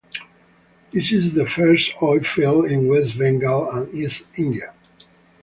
This is the first oil field in West Bengal and East India.